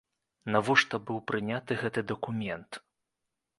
Навошта быў прыняты гэты дакумент?